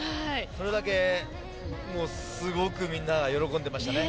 それだけすごくみんな喜んでましたね。